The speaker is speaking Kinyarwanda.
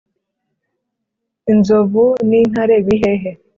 inzovu n’intare biri hehe?